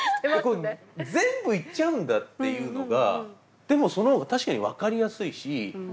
全部言っちゃうんだっていうのがでもその方が確かに分かりやすいし。